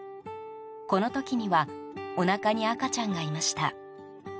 この時にはおなかに赤ちゃんがいました。